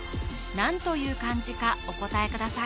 何という漢字かお答えください